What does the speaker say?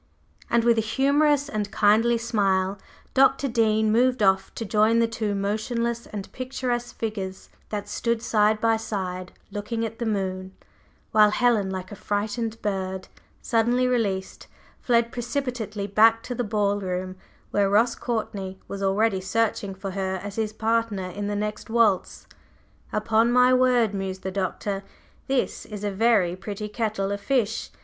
And with a humorous and kindly smile, Dr. Dean moved off to join the two motionless and picturesque figures that stood side by side looking at the moon, while Helen, like a frightened bird suddenly released, fled precipitately back to the ball room, where Ross Courtney was already searching for her as his partner in the next waltz. "Upon my word," mused the Doctor, "this is a very pretty kettle of fish!